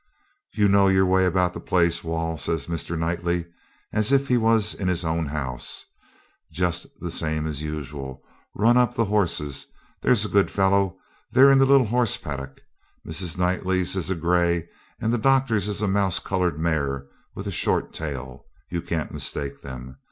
'You know your way about the place, Wall,' says Mr. Knightley, as if he was in his own house, just the same as usual; 'run up the horses, there's a good fellow; they're in the little horse paddock. Mrs. Knightley's is a gray, and the doctor's is a mouse coloured mare with a short tail; you can't mistake them.